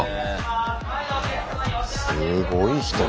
すごい人だ。